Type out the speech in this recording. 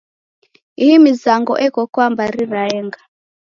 Ihi mizango eka kwa mbari raenga.